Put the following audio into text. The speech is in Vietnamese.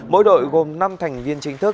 mỗi đội gồm năm thành viên chính thức